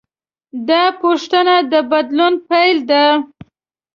دا پوښتنه د بدلون پیل دی.